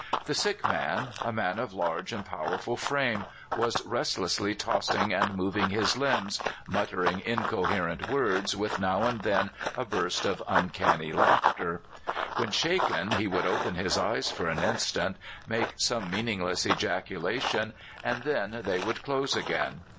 The sick man — a man of large and powerful frame — was restlessly tossing and moving his limbs, mut tering incoherent words, with now and then a burst of uncanny laughter. When shaken, he would open his eyes for an instant, make some meaning less ejaculation, and then they would close again.